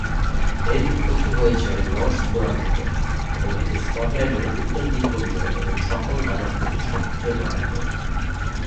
এর উৎপত্তি হয়েছে নর্স পুরাণ থেকে এবং এটি স্কটল্যান্ডের উত্তর দ্বীপপুঞ্জ এর সকল দানব থেকে সবচেয়ে ভয়ংকর।